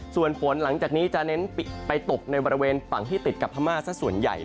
ส่วนฝนหลังจากนี้จะเน้นไปตกในบริเวณฝั่งที่ติดกับพม่าสักส่วนใหญ่